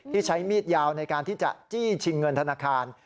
ใช้มีดยาวในการที่จะจี้ชิงเงินธนาคาร